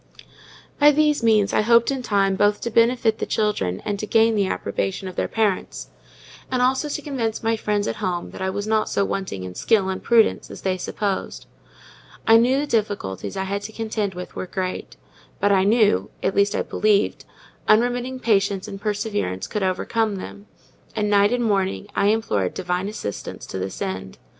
By these means I hoped in time both to benefit the children and to gain the approbation of their parents; and also to convince my friends at home that I was not so wanting in skill and prudence as they supposed. I knew the difficulties I had to contend with were great; but I knew (at least I believed) unremitting patience and perseverance could overcome them; and night and morning I implored Divine assistance to this end.